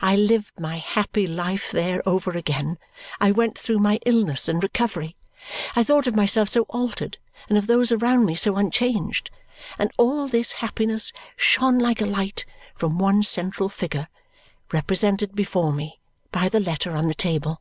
I lived my happy life there over again, I went through my illness and recovery, I thought of myself so altered and of those around me so unchanged; and all this happiness shone like a light from one central figure, represented before me by the letter on the table.